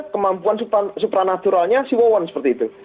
kemampuan supranaturalnya si wawan seperti itu